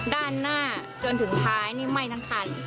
ด้านหน้าจนถึงท้ายไม่เคียลนี่ทั้งคัน